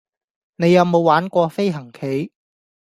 你有無玩過飛行棋